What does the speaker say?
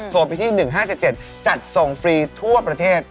โทรไปที่๑๕๗๗จัดส่งฟรีทั่วประเทศ